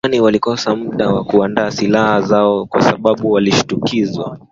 Wajerumani walikosa muda wa kuandaa silaha zao kwa sababu walishtukizwa